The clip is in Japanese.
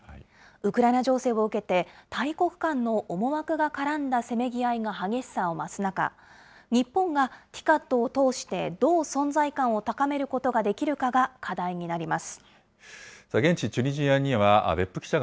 ウクライナ情勢を受けて、大国間の思惑が絡んだせめぎ合いが激しさを増す中、日本がＴＩＣＡＤを通してどう存在感を高めることができるかが課現地チュニジアには別府記者